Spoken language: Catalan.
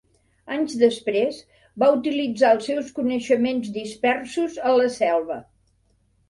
Anys després, va utilitzar els seus coneixements dispersos a la selva.